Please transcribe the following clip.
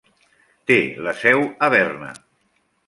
Té la seu a Berna.